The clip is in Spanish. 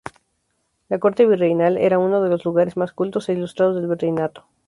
La corte virreinal era uno de los lugares más cultos e ilustrados del virreinato.